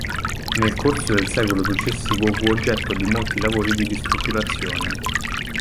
Nel corso del secolo successivo fu oggetto di molti lavori di ristrutturazione.